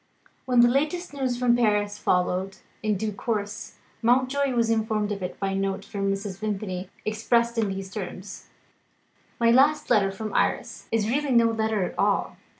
When the latest news from Paris followed, in due course, Mountjoy was informed of it by a note from Mrs. Vimpany expressed in these terms: "My last letter from Iris is really no letter at all.